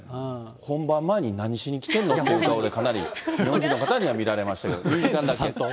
本番前に何しに来てんの？っていう顔で、かなり日本人の方には見られましたけど、２時間だけ。